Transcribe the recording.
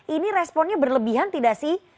ini responnya berlebihan tidak sih